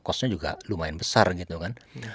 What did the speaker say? kosnya juga lumayan besar gitu kan